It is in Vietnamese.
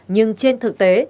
nhưng trên thực tế